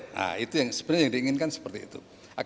nah itu yang sebenarnya yang diinginkan seperti itu